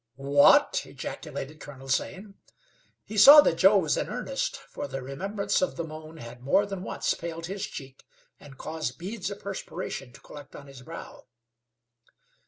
"What!" ejaculated Colonel Zane. He saw that Joe was in earnest, for the remembrance of the moan had more than once paled his cheek and caused beads of perspiration to collect on his brow.